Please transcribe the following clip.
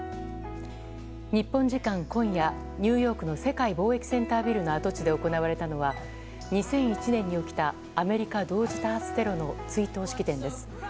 日本時間今夜、ニューヨークの世界貿易センタービルの跡地で行われたのは２００１年に起きたアメリカ同時多発テロの追悼式典です。